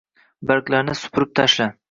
Barglarni supurib tashla.